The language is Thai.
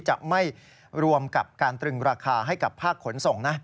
จะไม่รวมกับการตรึงราคาให้กับภาคขนส่งนะ